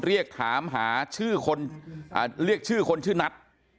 เรียกถามหาชื่อคนเรียกชื่อคนชื่อนัท